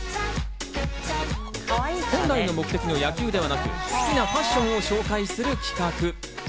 本来の目的の野球ではなく好きなファッションを紹介する企画。